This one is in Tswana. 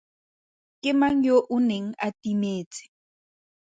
Ke mang yo o neng a timetse?